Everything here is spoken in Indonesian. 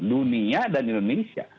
dunia dan indonesia